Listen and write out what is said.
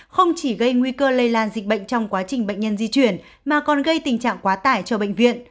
không chỉ gây nguy cơ lây lan dịch bệnh trong quá trình bệnh nhân di chuyển mà còn gây tình trạng quá tải cho bệnh viện